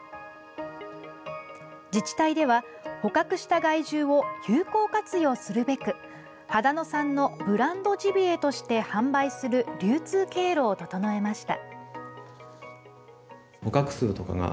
自治体では捕獲した害獣を有効活用するべく秦野産のブランドジビエとして販売する流通経路を整えました。